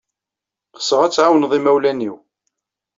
Ɣseɣ ad tɛawned imawlan-inu.